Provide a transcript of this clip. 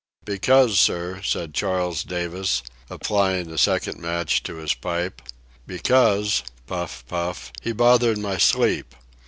"Because, sir," said Charles Davis, applying a second match to his pipe, "because"—puff, puff—"he bothered my sleep."